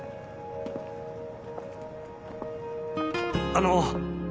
あの。